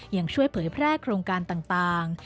ยังช่วยเผยแพร่โครงการต่าง